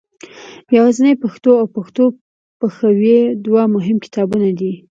یوازنۍ پښتو او پښتو پښویه دوه مهم کتابونه دي.